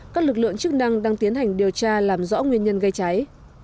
các lực lượng chức năng đang tiến hành điều tra làm rõ nguyên nhân gây cháy